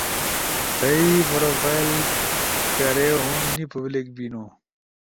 تھئی پروفائل کھارے ہُم نی پبلک بینو،